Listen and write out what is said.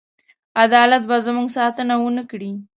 عدالت به زموږ ساتنه ونه کړي.